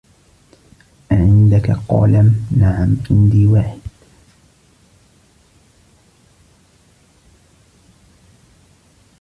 أعندك قلم؟ "نعم، عندي واحد."